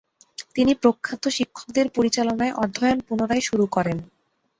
তিনি প্রখ্যাত শিক্ষকদের পরিচালনায় অধ্যয়ন পুনরায় শুরু করেন।